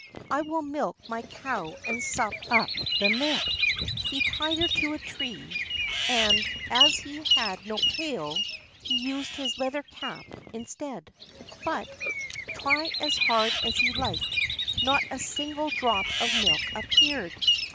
"I will milk my cow and sup up the milk." He tied her to a tree, and as he had no pail, he used his leather cap instead; but, try as hard as he liked, not a single drop of milk appeared.